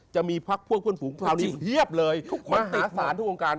จะมีพักพวกพุ่นฝูงเทียบเลยมหาศาลทุกวงการ